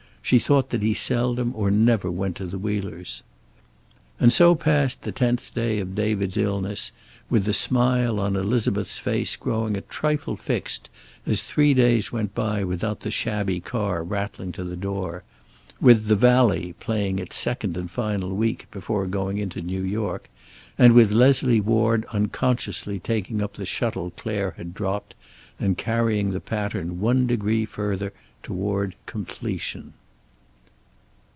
She thought that he seldom or never went to the Wheelers'. And so passed the tenth day of David's illness, with the smile on Elizabeth's face growing a trifle fixed as three days went by without the shabby car rattling to the door; with "The Valley" playing its second and final week before going into New York; and with Leslie Ward unconsciously taking up the shuttle Clare had dropped, and carrying the pattern one degree further toward completion.